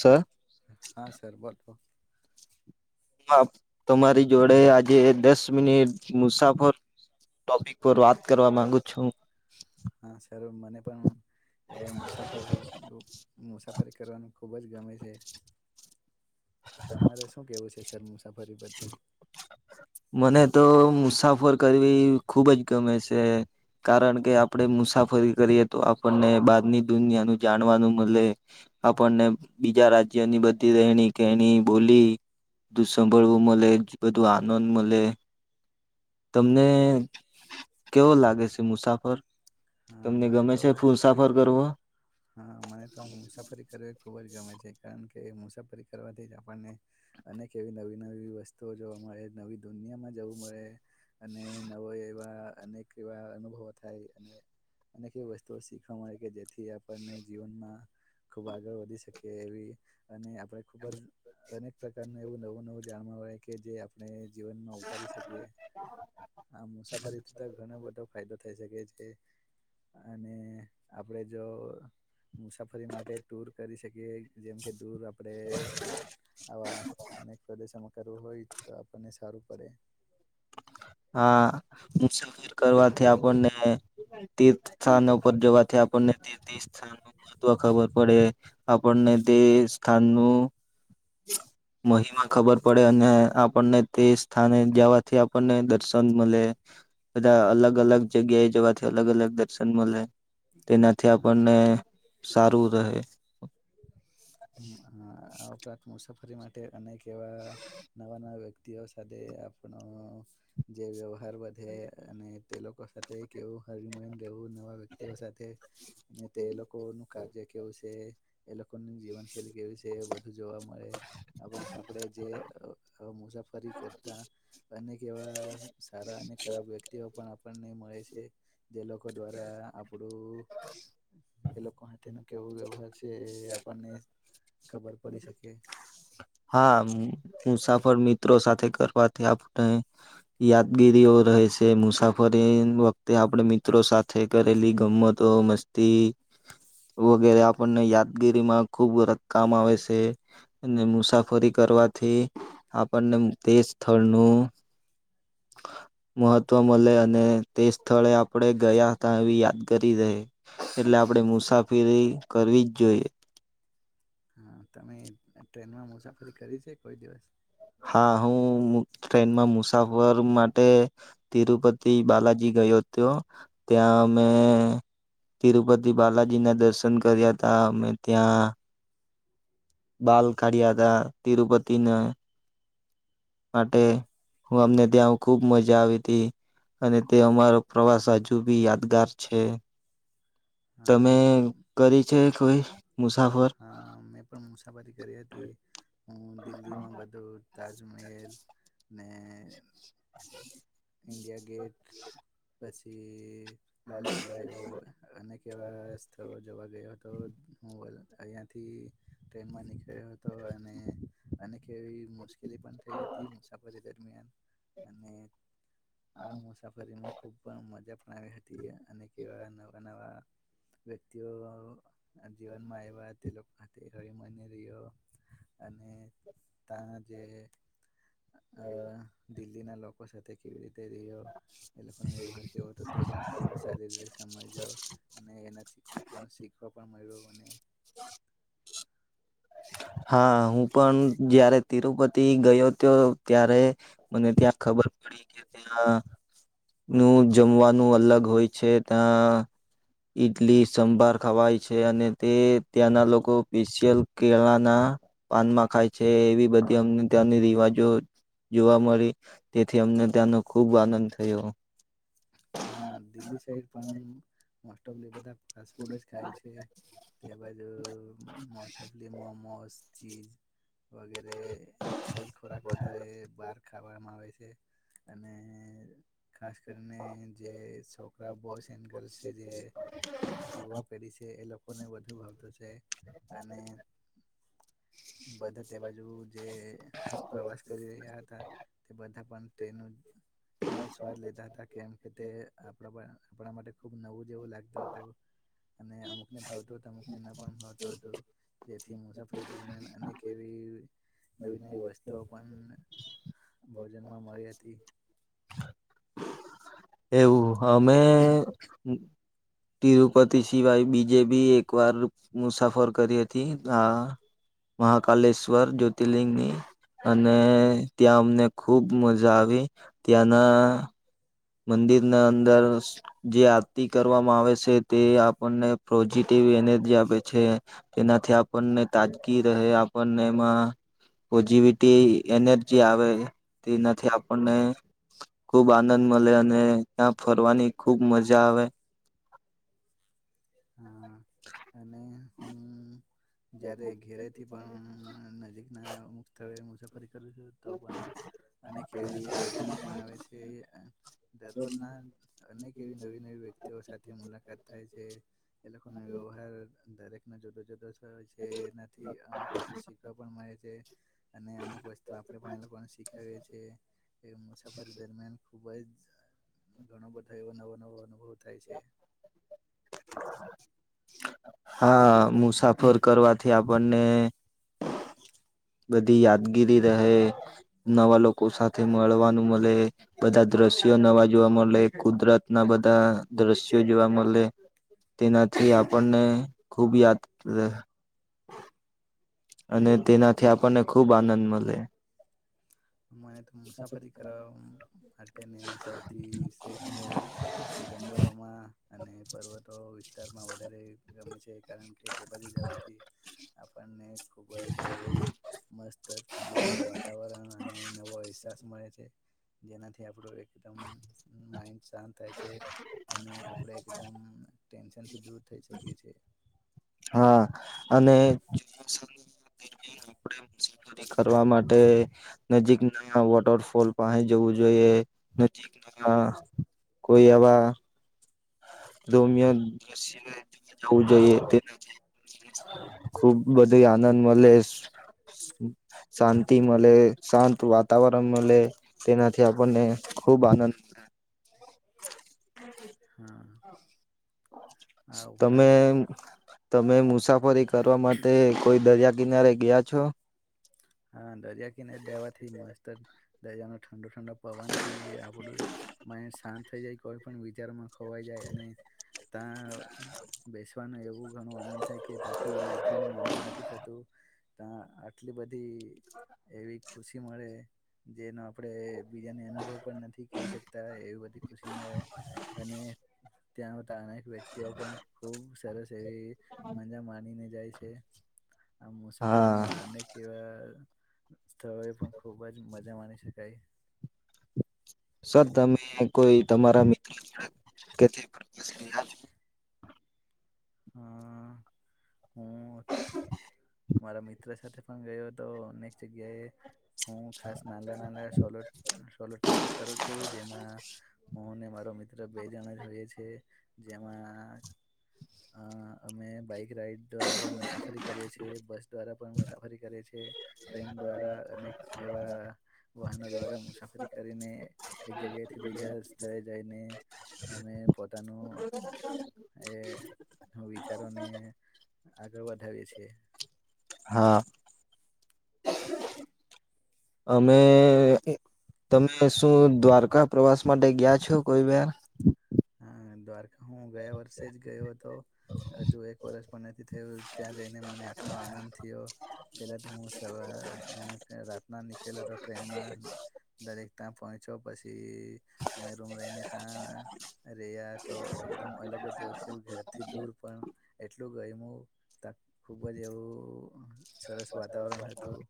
Sir હા sir બોલ. [unintelligible] તમારી જોડે આજે દસ મિનિટ. મુસાફર ટોપિક પર વાત કરવા માગું છું. હા સર મને પણ એ મુસા, [unintelligible] મુસાફરી કરવાનું ખુબ જ ગમે છે. તમારે શું કેવું છે સર મુસાફરી પરથી? મને તો મુસાફર કરવી ખુબ જ ગમે સે. કારણ કે આપડે મુસાફરી કરીએ. તો આપણને બારની દુનિયાનું જાણવાનું મલે. આપણને બીજા રાજ્યની બધી, રેહેણી, કેહેણી, બોલી, ધું સાભળવું મળે. બધું આનંદ મલે. તમને કેવો લાગે છે મુસાફર? હા તમને મને ગમે તો છે ફુસાફર કરવો? હા મને તો આમ મુસાફરી કરે ખુબ જ ગમે છે. કારણ કે મુસાફરી કરવાથી જ આપણને અને કેવી નવી નવી વસ્તુઓ જોવા મળે. નવી દુનિયામાં જવું મળે. અને નવો એવા અનેક એવા અનુભવો થાય. અને અનેક એવી વસ્તુઓ શીખવા મળે કે જેથી આપણને જીવનમાં. ખુબ આગળ વધી શકીએ એવી. અને આ પડે ખુબ જ અનેક પ્રકારનું એવું નવું નવું જાણવા મળે. કે જે આપણે જીવનમાં ઉતારી શકીએ, આ મુસાફરીથી ત ઘણો બધો, ફાયદો થઈ શકે છે. અને આપડે જો, મુસાફરી માટે ટૂર કરી શકીએ જેમ કે, દૂર આપડે, આવા અનેક પ્રદેશમાં કરવું હોય તો આપણને સારું પડે હા મુસાફિર કરવાથી આપણને તીર્થ સ્થાન ઉપર જવાથી આપણને તીર્થ સ્થાન ન મહત્વ ખબર પડે આપણને તે સ્થાન નું મહિમા ખબર પડે અને આપને તે સ્થાને જવાથી આપણને દર્શન મળે બધા અલગ અલગ જગ્યાએ જવાથી અલગ અલગ દર્શન મળે તેનાથી હા આપણને સારું રહે આરાંત મુસાફરી માટે અનેક એવા નવા નવા વ્યક્ વ્યક્તિઓ સાથે આપણો જે વ્યવહાર વધે અને તે લોકો સાથે કેવું હરમન રહેવું નવા વ્યક્તિઓ સાથે અને તે લોકો નું કાર્ય કેવું છે ઇ લોકોની જીવનશૈલી કેવી છે બધું જોવા મળે આપ આપણેે જે મુસાફરી કરતા અનેક એવા સારા અને ખરાબ પણ આપણને મળે છે જે લોકો દ્વારા આપડું એ લોકો તેનો કેવો વ્યવહાર છે એ આપણને ખબર પડી શકે. હા મુસાફર મિત્રો સાથે કરવાથી આપણે યાદગીરી ઓ રહે છે મુસાફ ફરી વખતે આપડ મિત્રો સાથે કરેલી ગમમતો મસ્તી વગેરે આપણને યાદગીરીમાં ખુબ વત કામ આવે છે અને મુ મુસાફરી કરવાથી તે સ્થળનું મહત્વ મળે અને તે સ્થળે આપણે ગયા હતા એવી યાદ કરી રહે એટલે આપણેે મુસાફરી કરવી જ જોઈએ. હા તમે ટ્રેનમાં મુસાફરી કરી છે કોઈ દિવસ હા હું ટ્રેનમાં મુસાફર માટે તિરુપતિ બાલાજી ગયો હતો ત્યાં અમે તિરુપતિ બાલાજીના દર્શન કર્યા ત અમે ત્યાં બાલ કારળિયા હતા તિરુપતિ ન માટે હું અમને ત્યાં ખુબ મજા આવી હતી. અને તે અમારો પ્રવાસ હજુ બી યાદગાર છે. હા તમે મેં કરી છે કોઈ મુસાફર અ મેં પણ મુસાફરી કરી હતી. હું દિલ્હીમાં બધું તાજમહેલ ને ઇન્ડિયા ગેટ પછી લાલ કિલ્લોવ અને કેવા થ જોવા ગયો હતો હું અહીંયાથી ટ્રેનમાં નીકળ્યો હતો. તો એને એને કેવી મુશ્લી પણ થઈ હતી મુસાફરી દરમિયાન અને આ મુસાફરીમાં ખુબ પણ મજા પણ આવી હતી અને કેવા નવા નવા વ્યક્તિઓ જીવનમાં આવ્યા તે લોકો તે હળ મને રહ્યો અને તં જે અ દિલ્હીના લોકો [unintelligible] સારી રીતે સમજજો અને એના શીખવું પણ શીખવા પણ મળ્યું અને હા હું પણ જય્યારે તિરુપતિ ગયો તો ત્યારે મને ત્યાં ખબર પડી કે ત્યાં નું જમવાનું અલગ હોય છે ત્યાં ઈડલી સંભાર ખાવાય છે તે ત્યાંના લોકો સ્પેશિયલ કેળાના પાનમાં ખાય છે એવી બધી અમને ત્યાંની રિવાજો જોવા મળી તેથી અમને ત્યાંનો ખુબ આનંદ થયો. હા. દિલ્હી સાઈડ પણ મોસ્ટ ઓફ બધા ફાસ્ટ ફૂડ જ ખાય છે. તે બાદ most of the momos cheese વગેરે એજ ખોરાક વધારે બહાર ખાવામાં આવે છે. અને ખાસ કરીને જે છોકરા બોઇશ એન્ ગલશ છે યુવા પહેઢિ છે એ લોકોને વધુ ભાવતો છે અને બધ તે બાજુ જે પ્રવાસ કરી રહ્યા હતા તે બધા પણ જ સ્વાદ લેતા હતા. તા કે એમ કે તે આપણા આપણા માટે ખૂબ નવું જેવું લાગતું હતું. અને અમુક ને ભાવતો હતો અમુક ને ના પણ ભાવતો હતુ જેથી મુસાફરી દરમિયાન અનેક એવી નવી નવી વસ્તુઓ પણ ભોજનમાં મળર હતી. એવું અમે તિરુપતિ સિવાય બીજે બી એક વાર મુસાફર કરી હતી હ મહાકાલેશ્વર જ્યોતિર્લિંગની અને ત્યાં અમને ખુબ મજા આવે ત્યાંના મંદિરના અંદર જે આરતી કરવામાં આવે છે તે આપણને પોઝિટિવ એનર્જી આપે છે તેનાથી આપણને તાજગી રહે બને એમાં પોઝિવિટી એનર્જી તેનાથી ખુબ આનંદ મળે અને ત્યાં ફરવાનિ ખુબ મજા આવે હ અને હું જયારે ઘેરેથી પણ નજીકના અમુક સ્થળો મુસાફરી તો પણ અનેવી અર્ચનો પણ આવે છે. દરરોજ ના અનેક એવી નવી નવી વ્યક્તિઓ સાથે મુલાકાત થાય છે. એ વ્યવાર દરેખના જુદા જુદ જે નથી અમુક વસ્તુ શીખવા પણ મળે છે. અને અમુક વસ્તુ આપડે પણ એ લોકોને શીખાવએ છીએ. કે મુસાફરી દરમિયાન ખુબ જ ઘણો બધો એવો નવો નવો અનુભવ થાય છે. હા મુસાફર કરવાથી આપણને [unintelligible] બધી યાદગીરી રહે નવા લોકો સાથે મળવાનું મળે બધા દ્રશ્યો નવા જોવા મળે કુદરત ના બધા દ્રશ્યો જોવા મળે તેનાથી આપણને ખૂબ યાદ અને હા, તેનાથી આપણને ખુબ આનંદ મળે. મુસાફરી કરવા માટેને સૌથી શ્રેષઠ ને એવું જંગલોમાં અને પર્વતો વિસ્તારમાં વધારે ગમે છે. કારણ કે તે બજી જવાથી આપણને ખુબ જ એવું મસ્ત ઠંડુ ઠંડુ વાતાવરણ અને નવો અહસાસ મળે છે જેનાથી આપણો એ કદમ માઇન્ડ શાંત થાય છે અને આપડે એકદમ ટેન્શનથી દૂર થઈ શકી છે. હા અને [unintelligible] [unintelligible] કરવા માટે નજીકના વોટરફોલ પાહે જવું જોઈએ નજીક હા કોઈ આવા [unintelligible] જવું જોઈએ તેનાથી ખુબ બધુંયે આનંદ મલે શાંતિ મલે, શાંત વા તાવરણ મલે તેનાથી આપણને ખૂબ આનંદ [inaudible] હા. આ તમે ઉપરાંત તમે મુસાફરી કરવા માટે કોઈ દરિયા કિનારે ગયા છો? હા, દરિયા કિનારે દવાથી મસ્તન દરિયાનો ઠંડો ઠંડો પવનથી આપણું માઇન્ડ શાંત થઈ જાય કોઈ પણ વિચારમાં ખોવાઈ જાય અને ત્આ બેસવાનું એવું ઘણો આનંદ થાય કે ત્યાંથી ઉઠવાનું મન જ નથી થતું તા આટલી બધી એવી ખુશી મળે જેનું આપડે બીજાને અનુભવ પણ નથી કહી શકતા એવી બધી ખુશી મળે અને ત્યાં અતાના અનેક વ્યક્તિઓ પણ ખૂબ સરસ એવી મજા માનીને જાય છે આ મુસાફરી હા માળા અનેક કેવા સ્થળો એ પણ ખુબ જ મજા માની શકાય. [inaudible] તો તમે કોઈ તમારા મિત્ર [unintelligible] હ અ અ અ હું મારા મિત્ર સાથે પણ ગયોતો અનેક જગ્યાએ હું ખાસ નાલા નાના સોલો, સોલો ટ્રીપ કરું છું જેમાં હુંને મારો મિત્ર બે જણા જ હોઈએ છે જેમાં હા અમે બાઈક રાઈડ દ્વારા પણ મુસાફરી કરે છીએ, બસ દ્વારા પણ મુસાફરી કરે છીએ, ટ્રેન દ્વારા અનેક એવા વાહનો દ્વારા મુસાફરી કરીને એક જગ્યાથી બીજા સ્થળે જઈને અમે પોતાનું એ હ વિચારોને આગળ વધાવીએ છીએ. હા. [inaudible] અમે, તમે શું દ્વારકા પ્રવાસ માટે ગયા છો કોઈ વાર? હા, દ્વારકા હું ગયા વર્ષે જ ગયો હતો. હજુ એક વર્ષ પણ નથી થયું ત્યાં જઈને મને આટલો આનંદ થયો પહેલા તો હું સવાર અ અ રાતના નીકળેલ હતો ટ્રેનમાં દરેક ત્યાં પહોંચ્યો પછી અમે રૂમ રહીને ત્યાં રહ્યાં તો એકદમ અલગ જ એવું થયુ ઘરથી દૂર પણ એટલું ગયમું તા ખૂબ જ એવું સરસ વાતાવરણ હતું.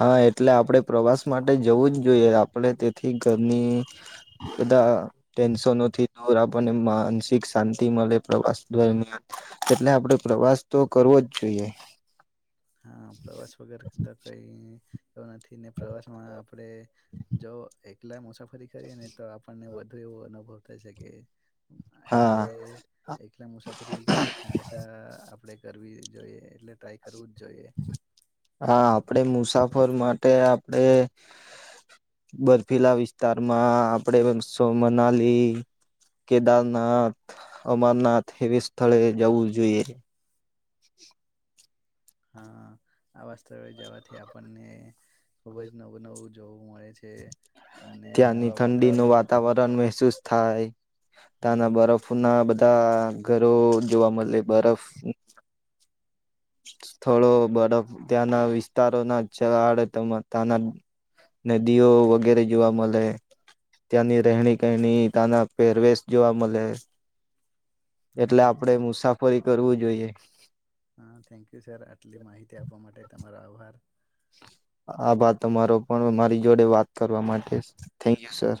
હા, એટલે આપડે પ્રવાસ માટે જવું જ જોઈએ આપણે તે ઠીક ધરની એદા ટેન્શનોથી દૂર આપણને માનસિક મળે પ્રવાસ દરમિયાન એટલે આપડે પ્રવાસ તો કરવો જ જોઈએ હા પ્રવાસ વગર ત કઈ નથી ને પ્રવાસમાં આપડે જો એકલા મુસાફરી કરીએ ને તો આપણને વધુ એવું અનુભવ થાય શકે. હા એટલે હા એકલે મુસાફરી હંમેશા આપડે કરવી જોઈએ. એટલે ટ્રાય કરવું જ જોઈએ. હા, આપડે મુસાફર માટે આપડે બર્ફીલા વિસ્તારમાં આપડે બનશો મનાલી કેદારનાથ, અમરનાથ એવી સ્થળે જવું જોઈએ. હા, આવા સ્થળે જવાથી આપણને ખુબ જ નવું નવું જોવું મળે છે અને ત્યાંની નવા ઠંડીનું વાતાવરણમાં પણ વાતાવરણ મહેસૂસ થાય. હા. ત્યાંના બરફના બધા ઘરો જોવા મળે બરફ સ્થળો બરફ ત્યાંના વિસ્તારોના આડે ત ત્યાંના નદીઓ વગેરે જોવા મળે, ત્યાંની રહેણી, કહેણી તા ના પહેરવેશ જોવા મળે એટલે થેન્ક આપડે યુ મુસાફરી કરવું જોઈએ. હા, થેન્ક યુ સર. આટલી માહિતી આપવા માટે તમારો આભાર. આભાર તમારો પણ મારી જોડે વાત કરવા માટે, થેન્ક યુ સર.